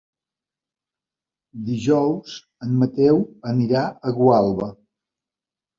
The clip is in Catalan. Dijous en Mateu anirà a Gualba.